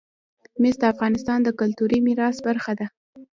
مس د افغانستان د کلتوري میراث برخه ده.